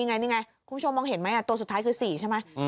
คุณผู้ชมมองเห็นไหมตัวสุดท้ายคือ๔ใช่ไหม